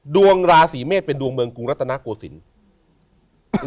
ดวงราศีเมษเป็นดวงเมืองกรุงรัฐนาโกศิลป์